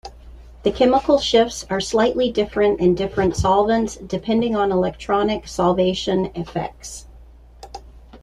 The chemical shifts are slightly different in different solvents, depending on electronic solvation effects.